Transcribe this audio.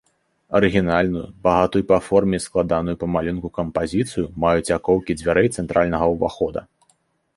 Арыгінальную, багатую па форме і складаную па малюнку кампазіцыю маюць акоўкі дзвярэй цэнтральнага ўвахода.